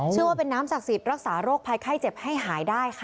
ว่าเป็นน้ำศักดิ์สิทธิ์รักษาโรคภัยไข้เจ็บให้หายได้ค่ะ